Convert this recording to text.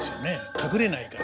隠れないから。